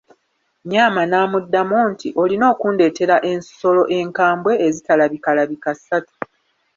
Nyaama n'amuddamu nti, olina okundeetera ensolo enkambwe ezitalabikalabika ssatu